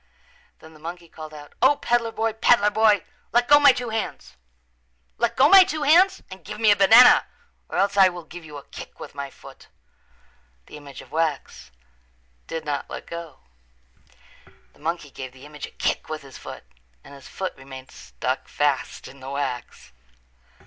Then the monkey called out, "O, peddler boy, peddler boy, let go my two hands. Let go my two hands and give me a banana or else I will give you a kick with my foot." The image of wax did not let go. The monkey gave the image a kick with his foot and his foot remained stuck fast in the wax.